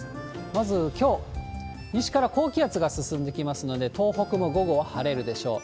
まず、きょう、西から高気圧が進んできますので、東北も午後は晴れるでしょう。